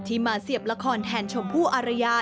มาเสียบละครแทนชมพู่อารยา